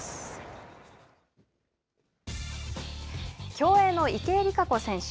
競泳の池江璃花子選手。